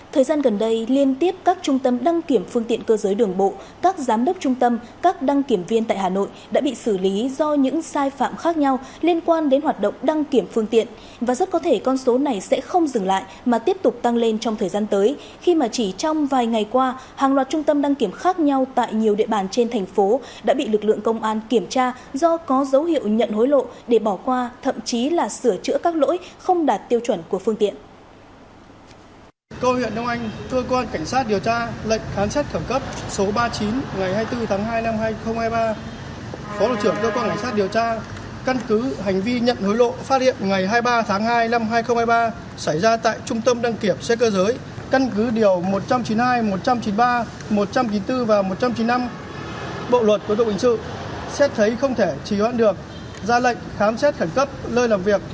tại trung tâm đăng kiểm xét cơ giới căn cứ điều một trăm chín mươi hai một trăm chín mươi ba một trăm chín mươi bốn và một trăm chín mươi năm bộ luật của tổng hình sự xét thấy không thể trì hoãn được ra lệnh khám xét khẩn cấp lơi làm việc tại trung tâm đăng kiểm xét cơ giới